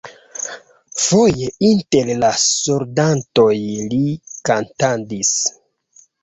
Foje inter la soldatoj li kantadis.